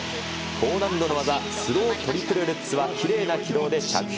高難度の技、スロートリプルルッツは、きれいな軌道で着氷。